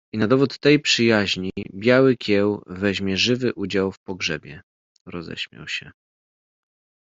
I na dowód tej przyjaźni Biały Kieł weźmie żywy udział w pogrzebie roześmiał się